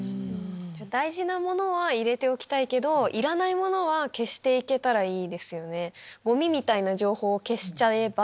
大事なものは入れておきたいけどいらないものは消して行けたらいいですよね。